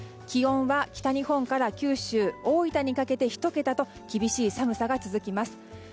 気温は、北日本から九州・大分にかけて１桁と厳しい寒さが続きます。